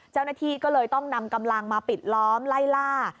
เจ้าหน้าที่ก็เลยต้องนำกำลังมาปิดล้อมไล่ล่า